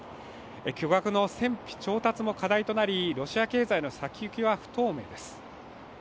巨額の戦費調達も課題となり、ロシア経済の先行きは不透明です。